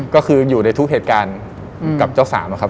ก็คืออยู่ในทุกเหตุการณ์กับเจ้าสามอะครับ